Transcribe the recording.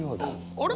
あれ？